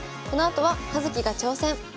このあとは「葉月が挑戦！」。